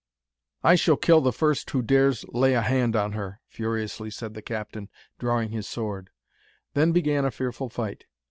'I shall kill the first who dares lay a hand on her!' furiously said the captain, drawing his sword. Then began a fearful fight.